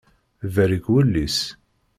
Berrik wul-is.